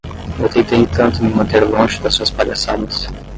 Eu tentei tanto me manter longe das suas palhaçadas.